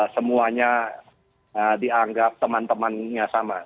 semuanya dianggap teman temannya sama